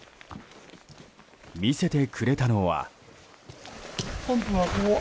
見せてくれたのは。